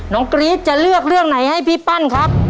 กรี๊ดจะเลือกเรื่องไหนให้พี่ปั้นครับ